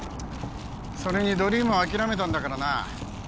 それにドリームは諦めたんだからな